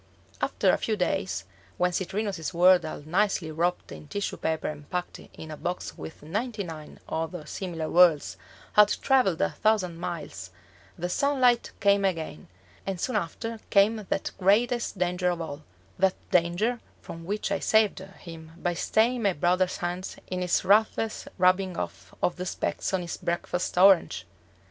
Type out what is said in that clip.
After a few days, when Citrinus's world all nicely wrapped in tissue paper and packed in a box with ninety nine other similar worlds had traveled a thousand miles, the sunlight came again, and soon after came that greatest danger of all that danger from which I saved him by staying my brother's hand in its ruthless rubbing off of the specks on his breakfast orange!